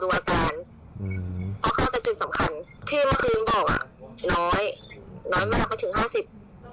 เพราะเข้าในจุดสำคัญที่เมื่อคืนบอกน้อยน้อยมากไม่ถึงห้าสิบ